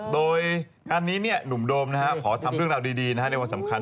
โดยงานนี้หนุ่มโดมขอทำเรื่องราวดีในวันสำคัญ